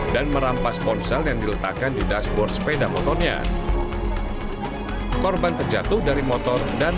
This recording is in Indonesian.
dan merampas ponsel yang diletakkan di dashboard sepeda motornya korban terjatuh dari motor dan